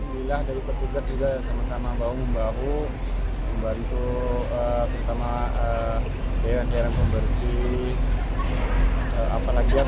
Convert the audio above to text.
bila dari petugas juga sama sama bau membawa membantu pertama dengan cara pembersih apalagi